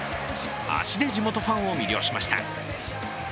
足で地元ファンを魅了しました。